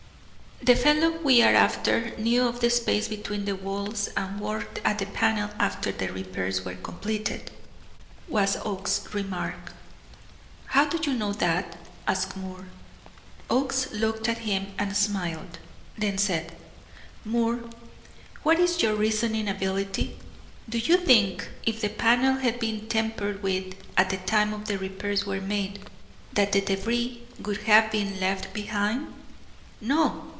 "The fellow we are after knew of the space between the walls and worked at the panel after the repairs were completed," was Oakes's remark. "How do you know that?" asked Moore. Oakes looked at him and smiled, then said: "Moore, where is your reasoning ability? Do you think, if the panel had been tampered with at the time the repairs were made, that the débris would have been left behind? No!